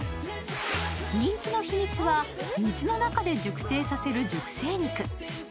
人気の秘密は、水の中で熟成させる熟成肉。